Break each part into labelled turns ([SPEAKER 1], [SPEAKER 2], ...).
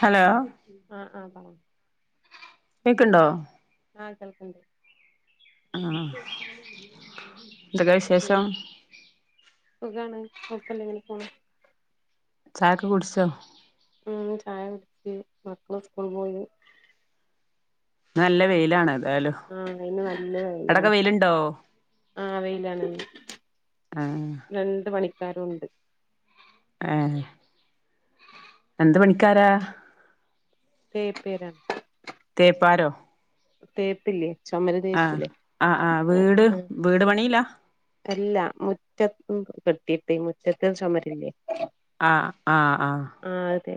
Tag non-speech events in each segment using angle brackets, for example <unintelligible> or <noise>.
[SPEAKER 1] Hello
[SPEAKER 2] ആഹ് ആഹ് അഹ്
[SPEAKER 1] കേക്ക്ണ്ടോ
[SPEAKER 2] ആഹ് കേൾക്ക്‌ണ്ട്
[SPEAKER 1] ആഹ് അഹ് ന്തൊക്കാെ വിശേഷം
[SPEAKER 2] പിന്നെ സുഖാണ് കൊഴപ്പല്ല ഇങ്ങെനെ പോണ്
[SPEAKER 1] ചായാെക്കെ കുട്ച്ചോ
[SPEAKER 2] ഉം ചായ കുടിച്ച് മക്കള് സ്കൂള് പോയി
[SPEAKER 1] ഇന്ന് നല്ല വെയ്ലാണ് ഏതായാലും
[SPEAKER 2] ആന്ന് ഇന്ന് നല്ല
[SPEAKER 1] അവിടൊക്കെ
[SPEAKER 2] വെയ്ലാണ്
[SPEAKER 1] വെയിലുണ്ടോ
[SPEAKER 2] ആഹ് വെയ്ലാണ്ന്ന്
[SPEAKER 1] ആഹ്
[SPEAKER 2] രണ്ട് പണിക്കാരുണ്ട്
[SPEAKER 1] ഏഹ് എന്ത് പണിക്കാരാ?
[SPEAKER 2] തേപാരോ
[SPEAKER 1] തേപാരോ
[SPEAKER 2] തേപ്പില്ലേ ചൊമര്
[SPEAKER 1] ആഹ്
[SPEAKER 2] തേക്കൂലേ
[SPEAKER 1] ആഹ് ആഹ് വീട് വീട് പണിയിലാ
[SPEAKER 2] അല്ല മുറ്റത്ത് കെട്ടീട്ട് മുറ്റത്ത് ചുമരില്ലേ
[SPEAKER 1] ആഹ് ആഹ് ആഹ്
[SPEAKER 2] ആഹ് അതെ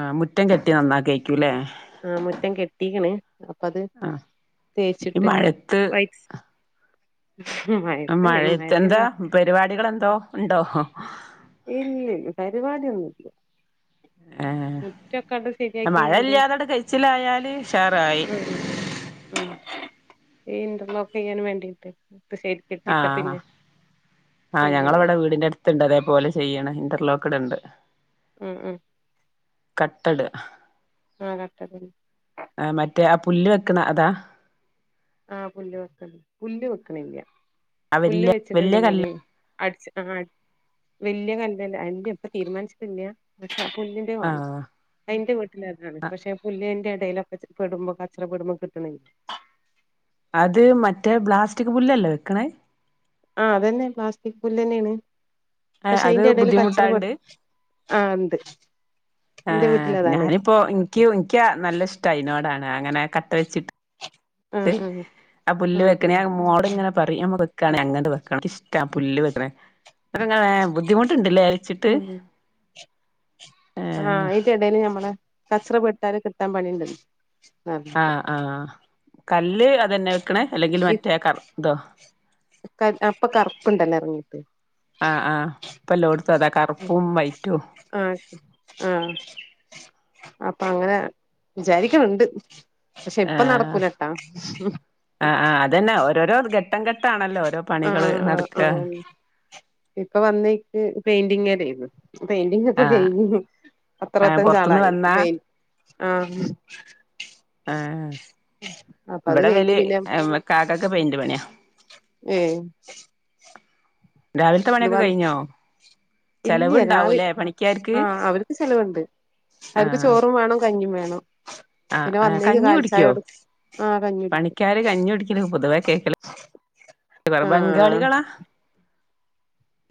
[SPEAKER 1] ആഹ് മുറ്റം കെട്ടി നന്നാക്കേക്കൂല്ലേ
[SPEAKER 2] ആ മുറ്റം കെട്ടീക്ക്ണ് അപ്പ അത്
[SPEAKER 1] ആഹ് ഈ
[SPEAKER 2] തേച്ചിട്ട്
[SPEAKER 1] മഴത്ത്
[SPEAKER 2] വയ്റ്റ്സ് മ് ഹ്
[SPEAKER 1] ആ മഴത്തെന്താ പരിപാടികൾ എന്തോ ഉണ്ടോ
[SPEAKER 2] ഇല്ലേയ് പരിപാടി ഒന്നൂല്ല
[SPEAKER 1] ഏഹ് മഴ
[SPEAKER 2] ശരിയാക്കിങ്ങാണ്ട്
[SPEAKER 1] ഇല്ലാതട് കൈച്ചിലായാല് ഉഷാറായി
[SPEAKER 2] മ് ഈ ഇന്റർലോക്ക് ചെയ്യാൻ വേണ്ടീട്ട് അ ശരി
[SPEAKER 1] ആഹ്
[SPEAKER 2] ചെയ്യല്ല
[SPEAKER 1] ഞങ്ങളവിടെ വീടിന്റെ അടുത്ത് ത്ണ്ട് അതേപോലെ ചെയ്യണ് ഇന്റർലോക്ക്ട്ണ്ട്
[SPEAKER 2] മ് മ്
[SPEAKER 1] കട്ടട്
[SPEAKER 2] ആ കട്ടടന്നെ
[SPEAKER 1] ആ മറ്റേ ആ പുല്ല് വെക്കണ അതാ
[SPEAKER 2] ആ പുല്ല് വെക്കണ പുല്ല് വെക്കണില്ല
[SPEAKER 1] ആ
[SPEAKER 2] പുല്ല്
[SPEAKER 1] വല്യ വല്യ
[SPEAKER 2] വെച്ചിട്ടുണ്ടെങ്കില്
[SPEAKER 1] കല്ല്
[SPEAKER 2] അട്ച്ച് ആ വല്യ കല്ല് അല്ല ഇപ്പ തീരുമാനിച്ചിട്ടില്ല പുല്ലിന്റെ വാണ്ട
[SPEAKER 1] ആഹ്
[SPEAKER 2] ആഹ് ഇന്റെ വീട്ടിലതാണ് പക്ഷെ പുല്ലിന്റെ ഇടയിലൊക്കെ പെടുമ്പോ കച്ചറ പെടുമ്പോ കിട്ടണില്ല
[SPEAKER 1] അത് മറ്റേ ബ്ലാസ്റ്റിക് പുല്ലല്ലേ വെക്കണത്
[SPEAKER 2] ആ അതന്നെ പ്ലാസ്റ്റിക് പുല്ലെന്നേണ് പക്ഷെ
[SPEAKER 1] അത്
[SPEAKER 2] അയിന്റെ എടേല്
[SPEAKER 1] ബുദ്ധിമുട്ടാണ്ട്
[SPEAKER 2] കച്ചറപെടു ആ ഇണ്ട്
[SPEAKER 1] ആ ഞാനിപ്പോ ഇനിക്ക് ഇനിക്കാ നല്ല ഇഷ്ട അയിനോടാണ് അങ്ങനെ കട്ട വെച്ചിട്ട്
[SPEAKER 2] ആ ആ
[SPEAKER 1] ആ പുല്ല് വെക്കണേ മോട് ഇങ്ങനെ പറയും നമ്മ വെക്കണ അങ്ങനെ വെക്കണ റ്റാ പുല്ല് വെക്ക്ണെ അങ്ങനെ ബുദ്ധിമുട്ട്ണ്ടല്ലേ അല്ച്ചിട്ട്
[SPEAKER 2] ഉം ആ അതിന്റെ ഇടേല് ഞമ്മള് കച്ചറ പെട്ടാൽ കിട്ടാൻ പണിണ്ട്
[SPEAKER 1] ആ ആ കല്ല് അതന്നെ വെക്കണേ അല്ലെങ്കിൽ
[SPEAKER 2] ഈ
[SPEAKER 1] മറ്റേ കറു ഇതോ
[SPEAKER 2] അപ്പൊ കറുപ്പുണ്ടല്ലോ ഇറങ്ങിട്ട്
[SPEAKER 1] ആഹ് ആഹ് ഇപ്പ എല്ലോടുത്തും അതാ കറുപ്പും വൈറ്റും
[SPEAKER 2] ആ ആ അപ്പൊ അങ്ങനെ വിചാരിക്കണ് ണ്ട് പക്ഷെ ഇപ്പ
[SPEAKER 1] ആഹ്
[SPEAKER 2] നടക്കൂലട്ടാ
[SPEAKER 1] ആഹ് ആഹ് അതന്നെ ഓരോരോ ഘട്ടം ഘട്ടാണല്ലോ ഓരോ പണികള് നടക്കുക
[SPEAKER 2] ഇപ്പ വന്നേക്ക് പെയിൻ്റിംഗ് <unintelligible> പെയിൻ്റിങ് ഇപ്പൊ
[SPEAKER 1] ആഹ്
[SPEAKER 2] കഴിഞ്ഞു
[SPEAKER 1] ആഹ്
[SPEAKER 2] പത്തറുപത്തഞ്ച്
[SPEAKER 1] പൊറത്തുന്ന്
[SPEAKER 2] ആളായി
[SPEAKER 1] വന്നാ
[SPEAKER 2] പെയി ആഹ്
[SPEAKER 1] ആഹ്
[SPEAKER 2] <unintelligible>
[SPEAKER 1] ഇവിടെ
[SPEAKER 2] കഴിഞ്ഞ്
[SPEAKER 1] വലി
[SPEAKER 2] പിന്നെ
[SPEAKER 1] കാക്കക്ക് പെയിന്റ് പണിയാ
[SPEAKER 2] ഏഹ്
[SPEAKER 1] രാവിലത്തെ
[SPEAKER 2] ഇത് വ
[SPEAKER 1] പണിയൊക്കെ കഴിഞ്ഞോ
[SPEAKER 2] ഇല്ല
[SPEAKER 1] ചെലവുണ്ടാവൂലേ
[SPEAKER 2] രാവിലെ
[SPEAKER 1] പണിക്കാർക്ക്
[SPEAKER 2] ആ അവർക്ക് ചെലവുണ്ട് അവർക്ക്
[SPEAKER 1] ആഹ്
[SPEAKER 2] ചോറും വേണം കഞ്ഞീം വേണം
[SPEAKER 1] ആഹ്
[SPEAKER 2] പിന്നെ
[SPEAKER 1] ആഹ്
[SPEAKER 2] വന്നേക്ക്
[SPEAKER 1] കഞ്ഞി
[SPEAKER 2] കാലിച്ചായ
[SPEAKER 1] കുടിക്കോ
[SPEAKER 2] കൊടുക്കും ആഹ് കഞ്ഞി കുടിക്കും
[SPEAKER 1] പണിക്കാര് കഞ്ഞി കുടിക്കല് പൊതുവേ കേക്കലേ <unintelligible>
[SPEAKER 2] ആഹ്
[SPEAKER 1] ബംഗാളികളാ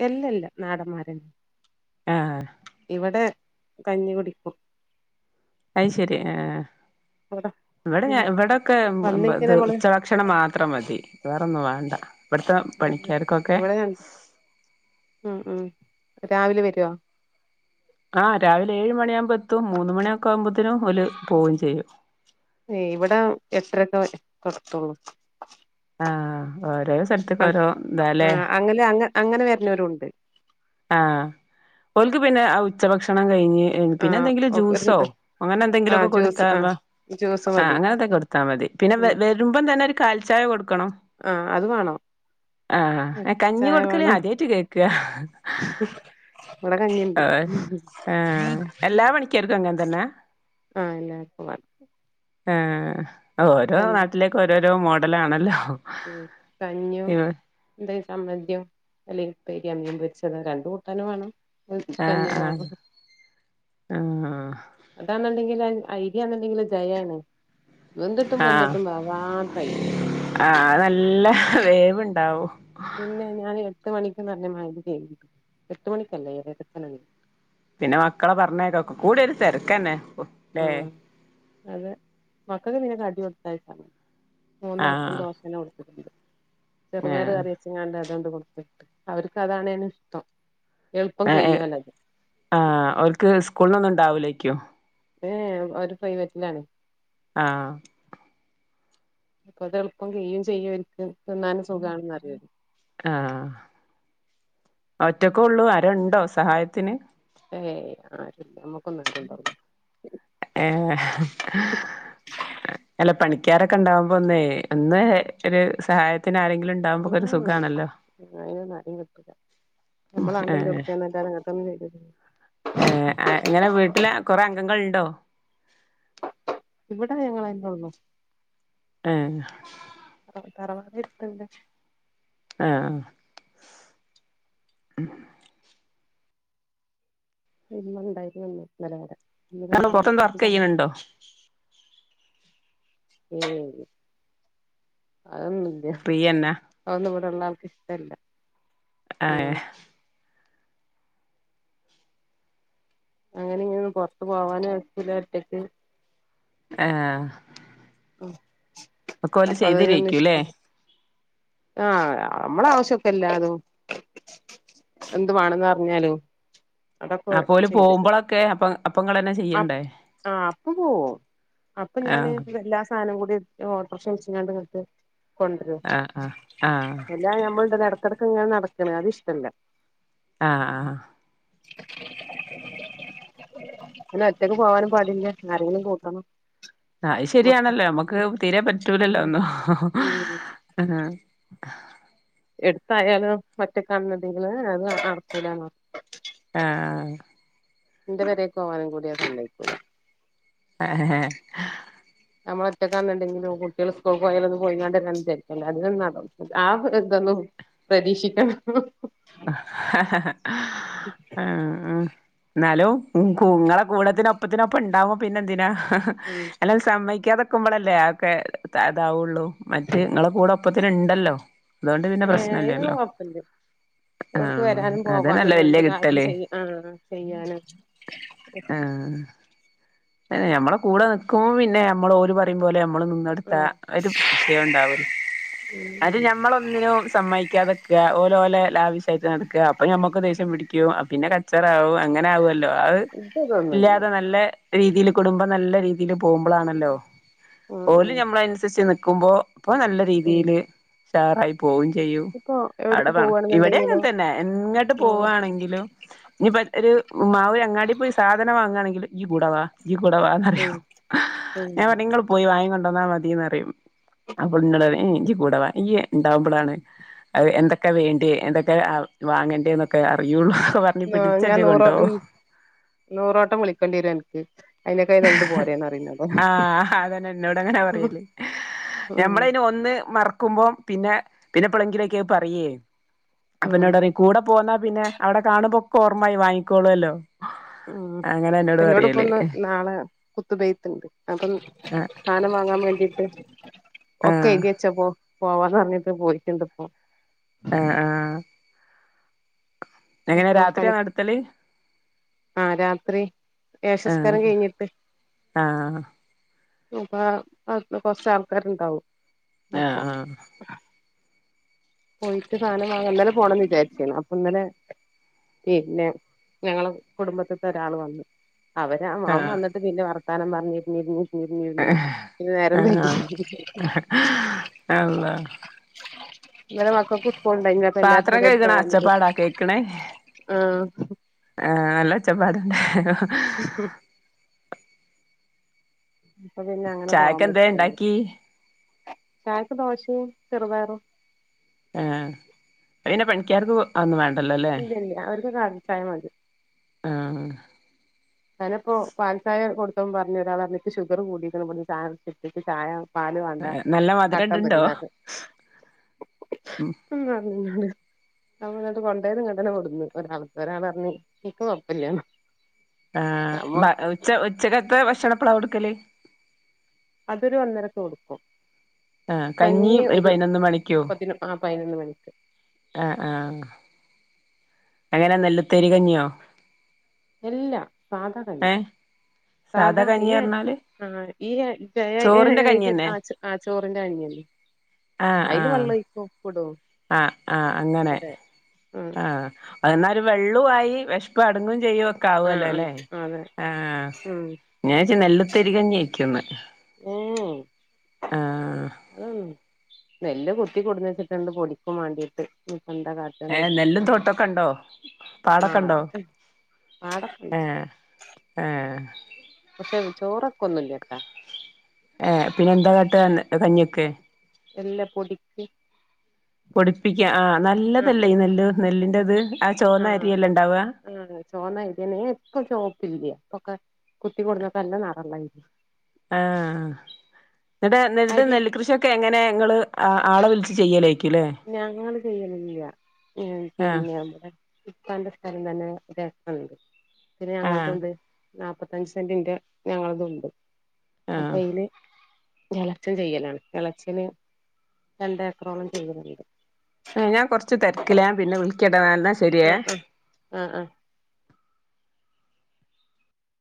[SPEAKER 2] എല്ലല്ല നാടന്മാരന്ന
[SPEAKER 1] ആഹ്
[SPEAKER 2] ഇവിടെ കഞ്ഞി കുടിക്കും
[SPEAKER 1] അയ്ശരി ആഹ്
[SPEAKER 2] അവിടെ
[SPEAKER 1] ഇവിടെ
[SPEAKER 2] ഉം
[SPEAKER 1] ഇവിടൊക്കെ
[SPEAKER 2] വന്നിക്ക
[SPEAKER 1] ഇത്
[SPEAKER 2] നമ്മള്
[SPEAKER 1] ഉച്ച ഭക്ഷണം മാത്രം മതി വേറൊന്നും വേണ്ട ഇവിടുത്തെ പണിക്കാർക്കൊക്കെ
[SPEAKER 2] ഇവിടെ ഉം ഉം രാവിലെ വരുവോ
[SPEAKER 1] ആഹ് രാവിലെ ഏഴ് മണിയ ആകുമ്പോ എത്തും മൂന്ന് മണിയൊക്കെ ആവുമ്പത്തേനും ഓല് പോവേം ചെയ്യും
[SPEAKER 2] ഏഹ് ഇവിട എട്ടരക്കെ ത്തൊള്ളൂ
[SPEAKER 1] ആഹ് ഓരോ സ്ഥലത്തേക്ക് ഓരോ ഇതാല്ലേ
[SPEAKER 2] അങ്ങലെ അങ്ങ് അങ്ങനെ വര്ന്നോര്ണ്ട്
[SPEAKER 1] ആഹ് ഓൽക്ക് പിന്നെ ആ ഉച്ചഭക്ഷണം കഴിഞ്ഞ്
[SPEAKER 2] ആ
[SPEAKER 1] പിന്നെ എന്തെങ്കിലും
[SPEAKER 2] ഒരു
[SPEAKER 1] ജ്യൂസോ അങ്ങനെ
[SPEAKER 2] ആ
[SPEAKER 1] എന്തെങ്കിലുമൊക്കെ
[SPEAKER 2] ജ്യൂസ്
[SPEAKER 1] കൊടുത്താ
[SPEAKER 2] ആ ജ്യൂസ്
[SPEAKER 1] ആഹ്
[SPEAKER 2] മതി
[SPEAKER 1] അങ്ങനെന്തെങ്കിലും കൊടു ത്താ മതി പിന്നെ
[SPEAKER 2] ഉം
[SPEAKER 1] വരുമ്പം തന്നെ ഒരു കാൽചായ കൊടുക്കണം
[SPEAKER 2] ആ അത് വേണോ
[SPEAKER 1] ആഹ് കഞ്ഞി കൊടുക്കല് ആദ്യായിട്ട് കേക്ക
[SPEAKER 2] <unintelligible> ഇവിട കഞ്ഞിണ്ട്
[SPEAKER 1] എല്ലാ പണിക്കാർക്കും അങ്ങനെ തന്നെ
[SPEAKER 2] ആഹ് എല്ല
[SPEAKER 1] ആഹ് ഓരോ
[SPEAKER 2] കഞ്ഞി
[SPEAKER 1] നാട്ടിലേക്ക് ഓരോരോ മോഡലാണല്ലോ ഇവ
[SPEAKER 2] എന്തെങ്കിലും ചമ്മന്തിയും അല്ലെങ്കി പ്പേരി മീൻ പൊരിച്ചത് രണ്ട് കൂട്ടാനും വേണം
[SPEAKER 1] ആഹ്
[SPEAKER 2] കഞ്ഞിയും
[SPEAKER 1] ആഹ്
[SPEAKER 2] വേണം
[SPEAKER 1] ആഹ്
[SPEAKER 2] അതാന്നുണ്ടെങ്കിൽ ഐര്യാന്നുണ്ടെങ്കിൽ ജയാണ് വെന്തിട്ടും
[SPEAKER 1] ആഹ്
[SPEAKER 2] വെന്തിട്ടും വേകാത്തര്യ
[SPEAKER 1] ആഹ് അത് നല്ല വേവ്ണ്ടാവും
[SPEAKER 2] പിന്നെ ഞാൻ എട്ട് മണിക്ക്ന്ന് പറഞ്ഞ് മൈദേ എട്ട് മണിക്കല്ലേ ഏഴര
[SPEAKER 1] പിന്നെ മക്കളെ പറഞ്ഞാകേക്കൊ കൂടൽ തിരക്കന്നെ ല്ലേ
[SPEAKER 2] ഉം അതെ. മക്കക്ക് പിന്നെ കാട്ടി കൊടുത്താല് സമ. മൂന്നാൾക്കും
[SPEAKER 1] ആഹ്
[SPEAKER 2] ദോശന്നെ കൊടുത്തിട്ട്ണ്ട് ചെറുപയർ
[SPEAKER 1] ആഹ്
[SPEAKER 2] കറി വച്ചിങ്ങാണ്ട് അതണ്ട് കൊടുത്തിട്ട് അവർക്ക് അതാണ് ഇഷ്ടം എൾപ്പം
[SPEAKER 1] ഏഹ്
[SPEAKER 2] കഴ്യൂല്ലത്
[SPEAKER 1] ആഹ് ഓൽക്ക് സ്കൂളിനൊന്നും ഉണ്ടാവൂലേരിക്കും
[SPEAKER 2] ഏ ഓരു പ്രൈവറ്റിലാണ്
[SPEAKER 1] ആഹ്
[SPEAKER 2] അതെൾപ്പം കയ്യുചെയ്യും എനിക്ക് തിന്നാനും സുഖാണെന്ന് <unintelligible>
[SPEAKER 1] ആഹ് ഒറ്റക്കേ ഉള്ളൂ ആരുണ്ടോ സഹായത്തിന്
[SPEAKER 2] ഏഹ് ആഹ് നമ്മുക്കൊന്നും <unintelligible>
[SPEAKER 1] ഏ അല്ല പണിക്കാര് ഒക്കെ ഉണ്ടാവുമ്പോ ഒന്നേ ഒന്ന് ഒരു സഹായത്തിന് ആരെങ്കിലും
[SPEAKER 2] ഉം ഉം
[SPEAKER 1] ഉണ്ടാവുമ്പോക്കെ ഒരു സുഖാണല്ലോ
[SPEAKER 2] എല്ലാരും ഉണ്ടെങ്കിൽ അടി വെക്കും നമ്മള ആണ്ടേയ്ത് കൊട്ക്കന്നല്ലാതെ ഇങ്ങട്ടൊന്നും ചെയ്തരു
[SPEAKER 1] ഏ എങ്ങനെ വീട്ടില് കൊറെ അംഗങ്ങൾ ഇണ്ടോ
[SPEAKER 2] ഇവിടെ ഞങ്ങളന്നെ ഒള്ളൂ
[SPEAKER 1] ഏ
[SPEAKER 2] തറവാട് എട്ത്തന്നേ
[SPEAKER 1] ആഹ് ഉം
[SPEAKER 2] പിന്ന ഉണ്ടായിരുന്നു നിലപല
[SPEAKER 1] കർണം പൊർതെന്തോ വർക്ക് ചെയ്യണണ്ടോ
[SPEAKER 2] ഉം അതൊന്നും
[SPEAKER 1] ഫ്രീയന്ന
[SPEAKER 2] അഒന്നും ഇവിടെള്ള ആൾക്ക് ഇഷ്ട്ടല്ല
[SPEAKER 1] ഏ
[SPEAKER 2] അങ്ങനെ ഇങ്ങനെ ഒന്നും പോറത്ത് പോവാന് ഒക്കില്ല ഒറ്റക്ക്
[SPEAKER 1] ആഹ്
[SPEAKER 2] ഉം
[SPEAKER 1] ഒക്കെ ഓല്
[SPEAKER 2] അപ്പ അതിന് ഒന്നു
[SPEAKER 1] ചെയ്തരേക്കൂല്ലേ?
[SPEAKER 2] ഇഷ്ട്ടല്ല ആഹ് അമ്മള ആവശ്യക്കെ എല്ലാതും എന്തു വാണന്നർഞ്ഞാലും
[SPEAKER 1] അപ്പ ഓല് പോവുമ്പളൊക്കെ അപ്പം അപ്പങ്ങളന്നെ ചെ
[SPEAKER 2] അ ആ അപ്പം പോവും അപ്പം ഞാന്
[SPEAKER 1] ആഹ്
[SPEAKER 2] വെല്ലാസ് സാനം കൂടി ഓട്ടർഷ വിൾച്ച്ങ്ങാണ്ട് ഇങ്ങട്ട് കോണ്ട്രരും
[SPEAKER 1] ആഹ് ആഹ് ആഹ്
[SPEAKER 2] ഇല്ല ഞമ്മൾണ്ടല്ലോ എടക്ക്‌ എടക്ക് ഇങ്ങനെ നടക്ക്‌ണ അത് ഇഷ്ട്ടല്ല
[SPEAKER 1] ആഹ് ആഹ്
[SPEAKER 2] അല്ല ഒറ്റക്ക് പോവാനും പാടില്ല ആരെങ്കിലും കൂട്ടണം
[SPEAKER 1] അയ്
[SPEAKER 2] മക്ക
[SPEAKER 1] ശരിയാണല്ലോ നമ്മക്ക് തീരെ പറ്റൂലല്ലോ
[SPEAKER 2] ഉം
[SPEAKER 1] ഒന്നും
[SPEAKER 2] ഉം എട്ത്തായാലും ഒറ്റക്ക് ആണന്നുണ്ടങ്കില് അത് നടക്കൂല ന്നർഞ്
[SPEAKER 1] ആഹ്
[SPEAKER 2] ഇന്റെ പെരേക്ക് പോവാനും കൂടി അഹ് സമ്മയ്ക്കുല
[SPEAKER 1] ആഹ
[SPEAKER 2] ഉ നമ്മള് ഒറ്റക്ക് ആണ്ന്ന്ണ്ടെങ്കിലും കുട്ടിഴള് സ്കൂൾക്ക്‌ പോയാലന്നും പോയിങ്ങാണ്ട് <unintelligible> ആ ഇതൊന്നും പരീക്ഷിക്കണം
[SPEAKER 1] ഉ ഉ ന്നാലും ഉം ങ്ങളെ കൂടെത്തിന് ഒപ്പത്തിന് ഒപ്പം ഇണ്ടാവുമ്പോ പിന്നെ എന്തിനാ
[SPEAKER 2] ഉം
[SPEAKER 1] അല്ല അത് സമ്മയ്ക്കാതക്കുമ്പളല്ലേ അഒക്കെ അതാവുള്ളൂ മറ്റേ ങ്ങളെ കൂടെ പ്പത്തിന് ഇണ്ടല്ലോ അതു കൊണ്ട് പിന്നെ പ്രശ്ന ഇല്ലല്ലോ
[SPEAKER 2] <unintelligible> എവ്ട്ക്കു വരാനും പോവാനും
[SPEAKER 1] അതന്നെല്ലേ
[SPEAKER 2] എന്ത്
[SPEAKER 1] വല്യ
[SPEAKER 2] കാര്യം
[SPEAKER 1] കിട്ടല്
[SPEAKER 2] ചെയ്യ ആ ചെയ്യാനും
[SPEAKER 1] ആഹ് തന്നെ ഞമ്മള കൂട നിക്കുമ്പം പിന്നെ ഞമ്മള് ഓര് പ റിം പോലെ അമ്മളും നിന്നൊട്ത്താ
[SPEAKER 2] ഉം
[SPEAKER 1] ഒരു വിഷയം ഇണ്ടാവു അത് ഞമ്മള ഒന്നിനും സമ്മയിക്കാതക്ക ഓ ഓല് ലാവിഷ്യായിട്ട് നടക്ക അപ്പൊ ഞമ്മക്ക് ദേശ്യം പിടിക്കും പിന്നെ കച്ചറ ആവും അങ്ങനെ ആകുവല്ലോ അഹ്
[SPEAKER 2] ഇത് ഇതൊന്നുല്ല
[SPEAKER 1] ഇല്ല്യാതെ നല്ല രീതില് കുടുംബം നല്ല രീ ലില് പോവുമ്പളാണല്ലോ
[SPEAKER 2] ഉം
[SPEAKER 1] ഓല്
[SPEAKER 2] ഉം
[SPEAKER 1] ഞമ്മള അൻസരിച്ച് നിക്കുമ്പോ ഇപ്പ നല്ല
[SPEAKER 2] ഉം
[SPEAKER 1] രീതിയില് ഉഷാറായി പോവും ചെയ്യും
[SPEAKER 2] ഇപ്പൊ
[SPEAKER 1] അവ്ടെ
[SPEAKER 2] എവിട്ക്ക്
[SPEAKER 1] ഇവടിം അങ്ങൻ
[SPEAKER 2] പോവാണെന്നുണ്ടെങ്കിലോ
[SPEAKER 1] തന്നെ എങ്ങട്ട്
[SPEAKER 2] ഉം
[SPEAKER 1] പോവാണെങ്കിലും ഇഞ്ഞിപ്പ ഒരു മാവി അങ്ങാടി പോയി സാധനം വാങ്ങാണെങ്കിലും ഇയ്യ് കൂട വാ ഇയ്യ് കൂടെ
[SPEAKER 2] ഉം
[SPEAKER 1] വാന്നറിയും
[SPEAKER 2] ഉം
[SPEAKER 1] ഞാൻ പർഞ് ഇങ്ങള് പോയി വാങ്ങി കൊണ്ടന്നാ മതിന്നറിയും. അപ്പന്നോട് പറിം ഇയ്യ് കൂടവാ ഇയ്യ് ണ്ടാവുമ്പളാണ് അ എന്തക്കെ വേണ്ടി. എന്തൊക്കെ വാങ്ങണ്ടേ ന്നൊക്കെ അറിയുള്ളൂ. പറഞ്ഞ്
[SPEAKER 2] ആ ഞാൻ
[SPEAKER 1] പിടിച്ചച്ച്
[SPEAKER 2] നൂറോ
[SPEAKER 1] കൊണ്ടോവും
[SPEAKER 2] നൂറോട്ടം വിളിക്കണ്ടി വരും അൻക്ക്. ൽത് പോരെ ന്നറിം
[SPEAKER 1] ആ അതന്നെ ഇന്നോട് അങ്ങന
[SPEAKER 2] ഉം
[SPEAKER 1] പറയല്
[SPEAKER 2] ഉം
[SPEAKER 1] ഞമ്മള അയിന് ഒന്ന് മറക്കുമ്പം പിന്നെ പിന്നെ എപ്പളെങ്കിലൊക്കെ പറയേ
[SPEAKER 2] ഉം
[SPEAKER 1] അപ്പൊന്നോട് പറിം കൂടെ പോന്നാ പിന്നെ. അവ്ടെ കാണുമ്പോ ഒക്ക ഓർമ്മായി വാങ്ങിക്കോളോല്ലോ.
[SPEAKER 2] ഉം അപ്പന്നോട്പ്പൊന്ന് നാളെ കുത്തുബൈത്ത്ണ്ട് അപ്പം.
[SPEAKER 1] ആഹ്
[SPEAKER 2] സാനം വാങ്ങാൻ വെണ്ടിട്ട് ഒക്കെ
[SPEAKER 1] ആഹ്
[SPEAKER 2] എയ്‌തിഴച്ചപ്പോ പോവാന്ന് പർഞ്ഞിട്ട് പോയിട്ട്ണ്ട് പ്പൊ
[SPEAKER 1] ആഹ് ആ എങ്ങനെ
[SPEAKER 2] അപ്പൊ
[SPEAKER 1] രാത്രിയാ
[SPEAKER 2] പണി
[SPEAKER 1] നട്ത്തല്.
[SPEAKER 2] ആ രാത്രി എശസ്കാരം
[SPEAKER 1] ആഹ്
[SPEAKER 2] കഴിഞ്ഞിട്ട്.
[SPEAKER 1] ആഹ്
[SPEAKER 2] അപ്പ അ കൊർച്ച ആൾക്കാര്ണ്ടാവും.
[SPEAKER 1] എ. ആഹ്
[SPEAKER 2] പോയിട്ട് സാനം വാങ്ങാ ഇന്നലെ പോണംന്ന് വിചാരിച്ചീന്ന് അപ്പ ഇന്നലെ. പിന്നെ ഞങ്ങളെ കുടുംബത്ത്ത്തെ ഒരാള് വന്നു. അവര് മാൻ
[SPEAKER 1] ആഹ്
[SPEAKER 2] വന്നിട്ട് പിന്നെ വർത്താനം പറഞ്ഞിരുന്നിരുന്നു. ഇന്ന നേരം വെയ്കി.
[SPEAKER 1] അള്ള
[SPEAKER 2] ഇന്നലെ മക്കക്ക് സ്കൂൾ ണ്ടെനിയോ.
[SPEAKER 1] പാത്രം കയ്ക്ണ അച്ചപ്പാടാ കേൾക്കണേ.
[SPEAKER 2] ആഹ്
[SPEAKER 1] ആഹ് നല്ല ഒച്ചപ്പാട് <unintelligible>
[SPEAKER 2] <unintelligible> അപ്പൊ പിന്നെ അങ്ങനെ പോകാൻ
[SPEAKER 1] ചായക്ക് എന്തേ
[SPEAKER 2] പറ്റില്ലെങ്കിൽ
[SPEAKER 1] ഇണ്ടാക്കി
[SPEAKER 2] ചായക്ക് ദോശയും ചെറുപയറും.
[SPEAKER 1] ആഹ് അയ് പിന്നെ പണിക്കാർക്ക്. അഒന്നും വേണ്ടല്ല ല്ലേ.
[SPEAKER 2] ഇല്ല ഇല്ല അവർക്ക് കാണിച്ചായ മതി.
[SPEAKER 1] ആഹ്
[SPEAKER 2] ഞാനിപ്പോ പാൽചായ കൊടുത്ത പറഞ്ഞഞ് ഒരാൾ ഇൻക്ക് ഷുഗർ കൂടിക്ക ചായ്യുടിച്ചിട്ട് ചായ. പാല് വേണ്ട
[SPEAKER 1] നല്ല
[SPEAKER 2] കട്ടൻ
[SPEAKER 1] മധുരംണ്ട്ണ്ടോ
[SPEAKER 2] മതീന്നറിഞ് <unintelligible> നമ്മളട്ട് കൊണ്ടേത്ഘടന കൊടുന്നു ഒരാവത്ത ഒരാളഞ്ഞ് എനിക്കും കുഴപ്പമില്ലണോ.
[SPEAKER 1] ആഹ് ഉച്ച ഉച്ചകത്തെ ഭക്ഷണപ്പളാ കൊടുക്കല്
[SPEAKER 2] അതൊരു ഒന്നരത്ത് കൊടുക്കും.
[SPEAKER 1] ആഹ്
[SPEAKER 2] കഞ്ഞി ഒരു
[SPEAKER 1] പതിനൊന്ന് മണിക്കോ
[SPEAKER 2] പതിന ആ പയ്നൊന്ന് മണിക്ക്.
[SPEAKER 1] ആഹ് ആഹ്. അങ്ങനെ നല്ലത്തരി കഞ്ഞിയോ.
[SPEAKER 2] എല്ലാ സാധ കഞ്ഞി
[SPEAKER 1] ഏഹ് സാധാ കഞ്ഞിറഞ്ഞാല്.
[SPEAKER 2] ആഹ് ഈ
[SPEAKER 1] കഞ്ഞി
[SPEAKER 2] <unintelligible>
[SPEAKER 1] തന്നെ
[SPEAKER 2] ആഹ് ചോറിന്റെ കഞ്ഞിയന്നെ
[SPEAKER 1] ആഹ്
[SPEAKER 2] അയിൽ
[SPEAKER 1] ആഹ്
[SPEAKER 2] വെള്ളൊയ്ക്കും ഉപ്പടും.
[SPEAKER 1] ആഹ് അങ്ങനെ ആഹ് ഒരു വെള്ളൂ ആയി വിഷപ്പടുങ്ങും ചെയ്യും.
[SPEAKER 2] ആഹ്
[SPEAKER 1] ക്കാവല്ലോ ല്ലേ
[SPEAKER 2] ആഹ് അതെ
[SPEAKER 1] ആഹ്
[SPEAKER 2] ഉം
[SPEAKER 1] ഞാച്ചി നെല്ലത്തരി കഞ്ഞയ്ക്കന്ന്.
[SPEAKER 2] ഏ ഏ <unintelligible> നെല് കുത്തി കൊടുന്ന് വെച്ചിട്ടുണ്ട് പൊടിക്കും വേണ്ടിയിട്ട് നന്ത കാ
[SPEAKER 1] ഏർ നെല്ലും തോട്ടൊക്കെ ഉണ്ടോ
[SPEAKER 2] ആഹ്
[SPEAKER 1] പാടൊക്കെണ്ടോ
[SPEAKER 2] അതൊക്കെ പാടൊക്കെണ്ട്
[SPEAKER 1] ഏർ. ഏഹ്
[SPEAKER 2] പക്ഷെ ചോറൊക്കെ ഒന്നുല്ലട്ടാ.
[SPEAKER 1] ഏഹ് പിന്നെ എന്താ കേട്ട കഞ്ഞിയൊക്കെ.
[SPEAKER 2] എല്ല പൊടിക്കും
[SPEAKER 1] പൊടിപ്പിക്ക ആഹ്
[SPEAKER 2] ആഹ്
[SPEAKER 1] നല്ലതല്ലേ ഈ
[SPEAKER 2] പൊടിക്ക്
[SPEAKER 1] നെല്ല് നെല്ലിൻന്റെത് ആ ചോന്ന
[SPEAKER 2] ആഹ്
[SPEAKER 1] അരിയെല്ലാ ഉണ്ടാവ
[SPEAKER 2] ആഹ് ചോന്നായിരിയ എപ്പ ചോപ്പില്യ അപ്പൊക്കെ കുത്തി കൊടുന്ന ക്കല്ലാം നിറല്ലായി
[SPEAKER 1] ആഹ് എന്നട്ട നേരിട്ട്
[SPEAKER 2] അരി
[SPEAKER 1] നെല്ലിക്കൃഷിയെ ക്കെ എങ്ങനെ ങ്ങള് ആളെ വിളിച്ച് ചെയ്യലായിരിക്കും ല്ലേ
[SPEAKER 2] ഞങ്ങള് ചെയ്യലില്ല
[SPEAKER 1] ആഹ്
[SPEAKER 2] പിന്നെ ഇപ്പാന്റെ സ്ഥലം തന്നെ രഖുണ്ട് പിന്നെ
[SPEAKER 1] ആഹ്
[SPEAKER 2] ഞങ്ങളത്ണ്ട്. നാപ്പത്തഞ്ച് സെന്റിന്റെ ഞങ്ങളത്ണ്ട് അപ്പൊ
[SPEAKER 1] ആഹ്
[SPEAKER 2] അയ്ല് എളച്ചൻ ചെയ്യലാണ് എളച്ചന് രണ്ടേക്കറോളം ചെയ്യുന്നുണ്ട്
[SPEAKER 1] ഞാൻ കൊറച്ച് തിരക്കില്ല ഞാന് പിന്നെ വിളിക്കിട്ട അന്നേ
[SPEAKER 2] ആഹ് ആഹ് ആഹ് ആഹ്